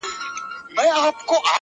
• هم پخپله څاه کینو هم پکښي لوېږو -